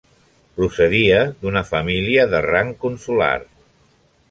Procedia d'una família de rang consular.